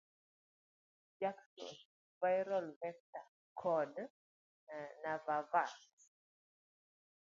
Johnson, Viral vector, kod Navavax.